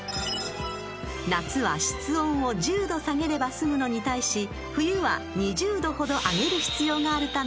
［夏は室温を１０℃下げれば済むのに対し冬は２０℃ほど上げる必要があるため］